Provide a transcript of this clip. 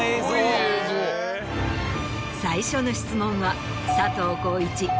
最初の質問は佐藤浩市